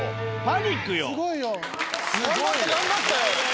パニックよ。